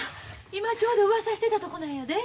今ちょうどうわさしてたとこなんやで。